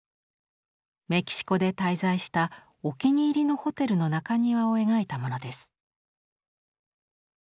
メキシコで滞在したお気に入りのホテルの中庭を描いたものです。